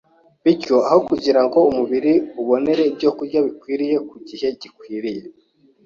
Bityo, aho kugira ngo umubiri ubonere ibyokurya bikwiriye ku gihe gikwiriye,